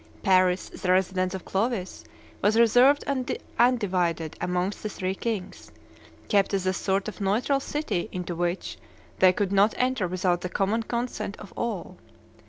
Paris, the residence of Clovis, was reserved and undivided amongst the three kings, kept as a sort of neutral city into which they could not enter without the common consent of all.